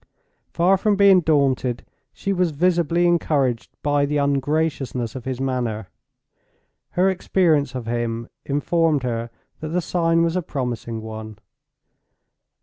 Far from being daunted, she was visibly encouraged by the ungraciousness of his manner. Her experience of him informed her that the sign was a promising one.